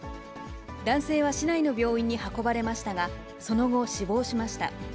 男性は市内の病院に運ばれましたが、その後、死亡しました。